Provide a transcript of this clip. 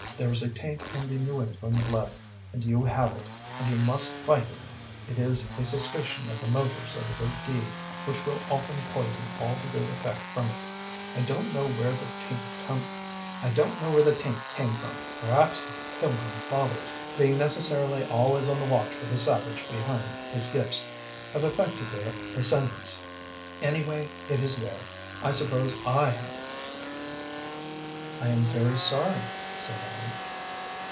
There is a taint in the New England blood, and you have it, and you must fight it. It is a suspicion of the motives of a good deed which will often poison all the good effect from it. I don't know where the taint came from. Perhaps the Pilgrim Fathers', being necessarily always on the watch for the savage behind his gifts, have affected their descendants. Anyway, it is there. I suppose I have it." "I am very sorry," said Ellen.